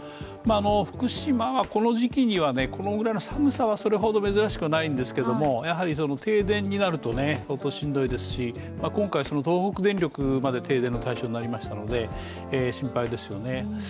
福島はこの時期にはこのぐらいの寒さはそれほど珍しくはないんですけれども、停電になると相当しんどいですし、今回は東北電力まで停電の対象になりましたので心配ですよね。